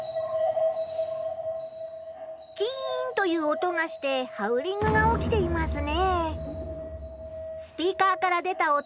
キンという音がしてハウリングが起きていますね。